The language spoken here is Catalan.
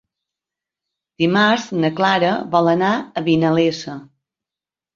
Dimarts na Clara vol anar a Vinalesa.